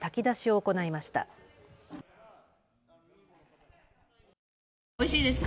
おいしいですか。